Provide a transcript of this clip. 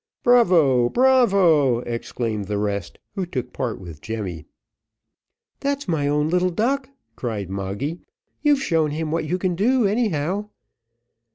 "Bravo, bravo!" exclaimed the rest, who took part with Jemmy. "That's my own little duck," cried Moggy; "you've shown him what you can do, anyhow."